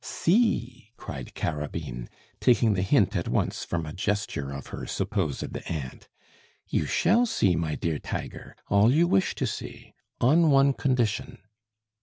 "See!" cried Carabine, taking the hint at once from a gesture of her supposed aunt. "You shall see, my dear Tiger, all you wish to see on one condition."